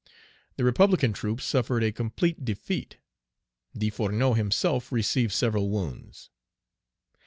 The republican troops suffered a complete defeat. Desfournaux himself received several wounds.